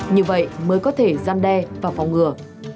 như vậy mới có thể gian đe và phòng ngừa